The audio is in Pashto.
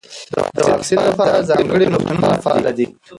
د واکسین لپاره ځانګړي روغتونونه فعال دي.